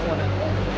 duit bagian aku